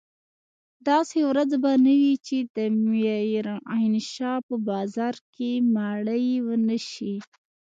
داسې ورځ به نه وي چې د ميرانشاه په بازار کښې مړي ونه سي.